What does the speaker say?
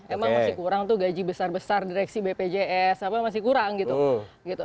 emang masih kurang tuh gaji besar besar direksi bpjs apa masih kurang gitu